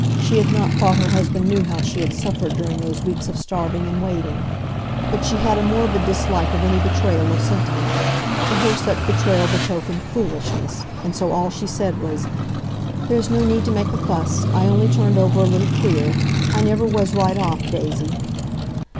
She had not thought her husband knew how she had suffered during those weeks of starving and waiting. But she had a morbid dislike of any betrayal of sentiment. To her such betrayal betokened "foolishness," and so all she said was, "There's no need to make a fuss! I only turned over a little queer. I never was right off, Daisy."